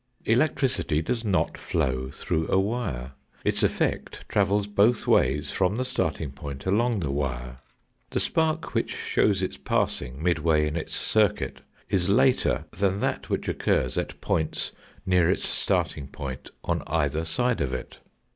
Electricity does not flow through a wire. Its effect travels both ways from the starting point along the wire. The spark which shows its passing midway in its circuit is later than that which occurs at points near its starting point on either side of it.